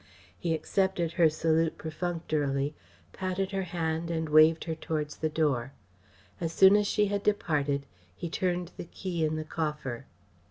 He accepted her salute perfunctorily, patted her hand and waved her towards the door. As soon as she had departed, he turned the key in the coffer.